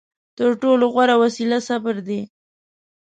تر ټولو غوره وسله صبر دی.